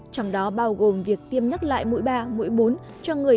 trong đó bao gồm việc tiêm nhắc lại mũi ba mũi bốn